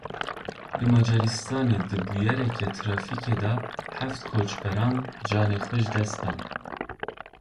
Li Macaristanê di bûyereke trafîkê de heft koçberan canê xwe ji dest dan.